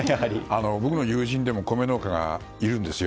僕の友人でも米農家がいるんですよ。